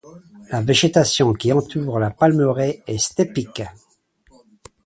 La végétation qui entoure la palmeraie est steppique.